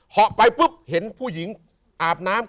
ะไปปุ๊บเห็นผู้หญิงอาบน้ำ